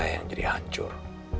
yang jadi hancur